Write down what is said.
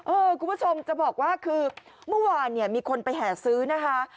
คุณผู้ชมจะบอกว่าคือเมื่อวานเนี่ยมีคนไปแห่ซื้อนะคะ